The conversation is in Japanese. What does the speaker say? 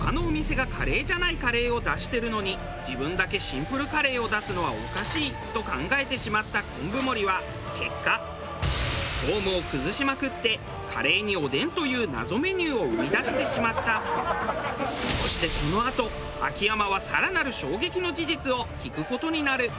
他のお店がカレーじゃないカレーを出してるのに自分だけシンプルカレーを出すのはおかしいと考えてしまった昆布森は結果フォームを崩しまくってカレーにおでんというそしてこのあと秋山は更なる衝撃の事実を聞く事になる。